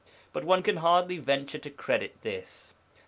But one can hardly venture to credit this.